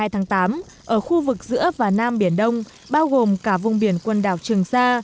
hai mươi tháng tám ở khu vực giữa và nam biển đông bao gồm cả vùng biển quần đảo trường sa